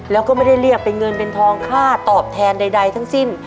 แล้วก็ไม่ได้เรียกเป็นเงินเป็นทองค่าตอบแทนใดทั้งสิ้น